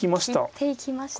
切っていきました。